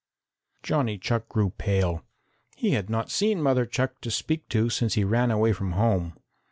Johnny Chuck grew pale. He had not seen Mother Chuck to speak to since he ran away from home.